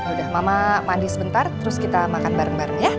udah mama mandi sebentar terus kita makan bareng bareng ya